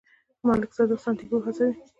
ملک صادق سانتیاګو هڅوي.